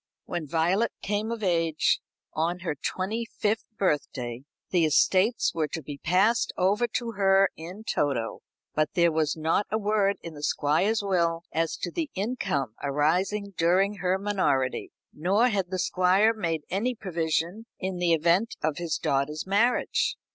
When Violet came of age on her twenty fifth birthday the estates were to be passed over to her in toto; but there was not a word in the Squire's will as to the income arising during her minority. Nor had the Squire made any provision in the event of his daughter's marriage.